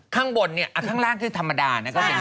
ข้างบนเนี่ยข้างล่างที่ธรรมดา